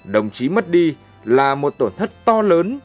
đồng chí mất đi là một tổn thất to lớn